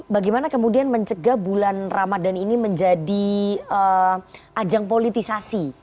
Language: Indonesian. bagaimana kemudian mencegah bulan ramadhan ini menjadi ajang politisasi